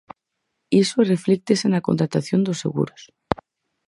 Iso reflíctese na contratación dos seguros.